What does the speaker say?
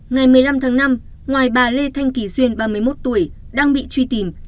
ngày một mươi năm tháng năm ngoài bà lê thanh kỳ duyên ba mươi một tuổi đang bị truy tìm